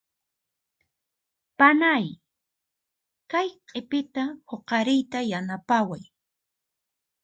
Panay kay q'ipita huqariyta yanapaway.